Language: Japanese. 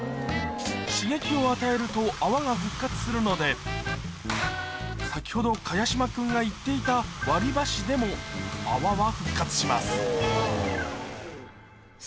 刺激を与えると泡が復活するので先ほど茅島君が言っていた割り箸でも泡は復活します